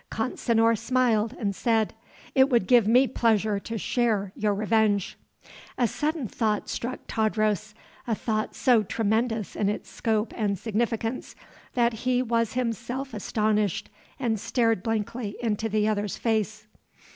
Consinor smiled, and said: "It would give me pleasure to share your revenge." A sudden thought struck Tadros a thought so tremendous in its scope and significance that he was himself astonished and stared blankly into the other's face.